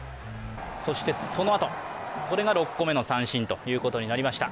そしてそのあと、これが６個目の三振ということになりました。